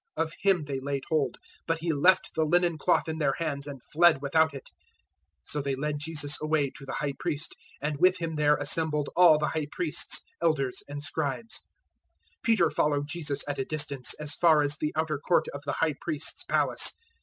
Of him they laid hold, 014:052 but he left the linen cloth in their hands and fled without it. 014:053 So they led Jesus away to the High Priest, and with him there assembled all the High Priests, Elders, and Scribes. 014:054 Peter followed Jesus at a distance, as far as the outer court of the High Priest's palace.